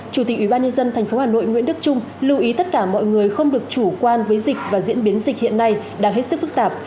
chủ tịch ubnd tp hà nội nguyễn đức trung lưu ý tất cả mọi người không được chủ quan với dịch và diễn biến dịch hiện nay đang hết sức phức tạp